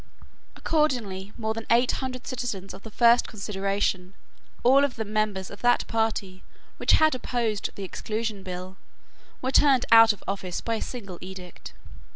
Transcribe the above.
Accordingly more than eight hundred citizens of the first consideration, all of them members of that party which had opposed the Exclusion Bill, were turned out of office by a single edict.